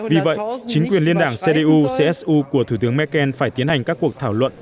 vì vậy chính quyền liên đảng cdu csu của thủ tướng merkel phải tiến hành các cuộc thảo luận